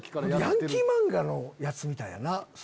ヤンキー漫画のヤツみたいやな。